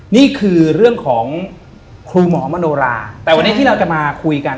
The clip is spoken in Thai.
นี่คือเรื่องของครูหมอมโนราแต่วันนี้ที่เราจะมาคุยกัน